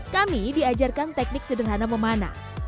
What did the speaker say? kami diajarkan teknik sederhana memanah